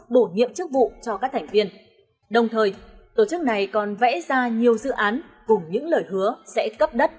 bổ nhiệm chức vụ cho các thành viên đồng thời tổ chức này còn vẽ ra nhiều dự án cùng những lời hứa sẽ cấp đất